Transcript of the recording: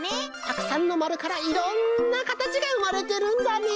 たくさんのまるからいろんなかたちがうまれてるんだね！